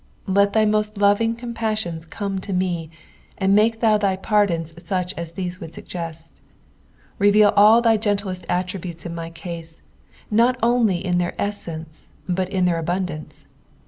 '' Let thy roost loving cnmpnssionfl come to me, and make thou thy pardons f^iich as these would suggest. RcTeal all thy gentlest attributes in my case, not only in their easence but in their abundance.